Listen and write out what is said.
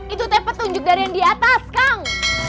itu teh petunjuk dari yang di atas kang